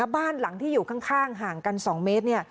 บ้านหลังที่อยู่ข้างห่างกัน๒เมตร